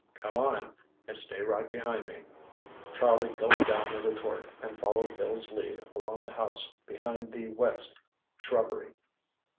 Come on, and stay right behind me." Charlie gulped down a retort and followed Bill's lead along the house behind the wet shrubbery.